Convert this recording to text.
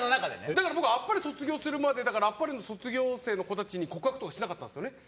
だから僕「あっぱれ」卒業するまで「あっぱれ」の卒業生の子たちに告白とかしなかったんですよね。